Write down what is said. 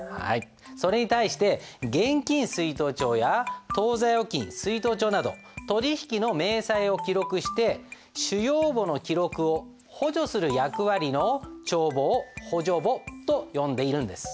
それに対して現金出納帳や当座預金出納帳など取引の明細を記録して主要簿の記録を補助する役割の帳簿を補助簿と呼んでいるんです。